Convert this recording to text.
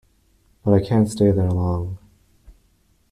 But I can’t stay there long.